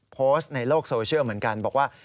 โพสต์ในโลกโซเชียลเหมือนกันบอกว่า